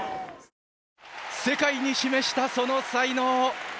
世界に示した、その才能。